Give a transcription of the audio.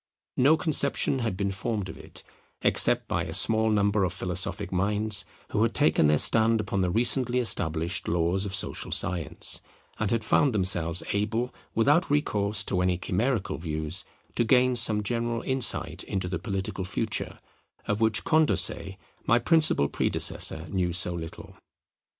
No conception had been formed of it, except by a small number of philosophic minds who had taken their stand upon the recently established laws of social science, and had found themselves able, without recourse to any chimerical views, to gain some general insight into the political future, of which Condorcet, my principal predecessor, knew so little.